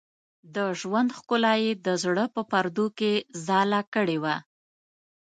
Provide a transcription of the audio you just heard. د ژوند ښکلا یې د زړه په پردو کې ځاله کړې وه.